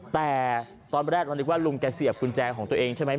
แต่ตอนแรกเรานึกว่าลุงแกเสียบกุญแจของตัวเองใช่ไหม